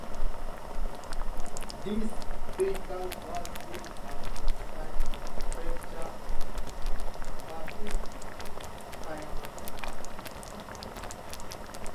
This vehicle was built at the Saitama Prefecture facility in Sayama, Japan.